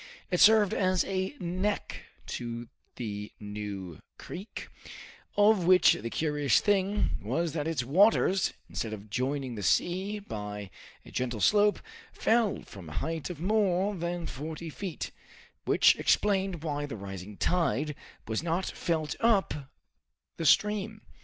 It served as a neck to the new creek, of which the curious thing was that its waters, instead of joining the sea by a gentle slope, fell from a height of more than forty feet, which explained why the rising tide was not felt up the stream.